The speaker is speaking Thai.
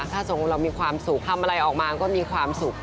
ถ้าสมมุติเรามีความสุขทำอะไรออกมาก็มีความสุข